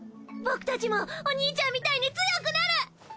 僕たちもお兄ちゃんみたいに強くなる！